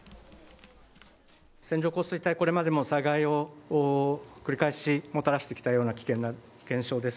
線状降水帯、これまでも災害を繰り返しもたらしてきたような危険な現象です。